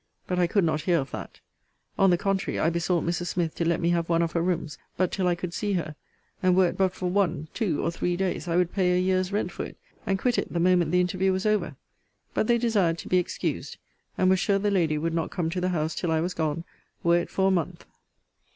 But I could not hear of that. On the contrary, I besought Mrs. Smith to let me have one of her rooms but till I could see her; and were it but for one, two, or three days, I would pay a year's rent for it; and quit it the moment the interview was over. But they desired to be excused; and were sure the lady would not come to the house till I was gone, were it for a month.